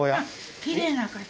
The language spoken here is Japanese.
きれいな方。